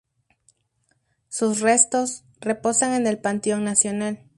Sus restos reposan en el Panteón Nacional.